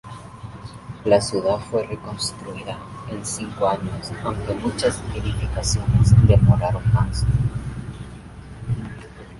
La ciudad fue reconstruida en cinco años, aunque muchas edificaciones demoraron más.